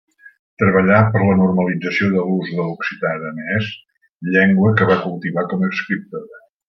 Treballà per la normalització de l'ús de l'occità aranès, llengua que va cultivar com a escriptora.